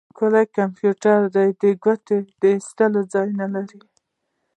ښکلی کمپيوټر دی؛ د ګوتې د اېښول ځای نه لري.